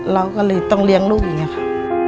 เราก็เลยต้องเลี้ยงลูกอย่างนี้ค่ะ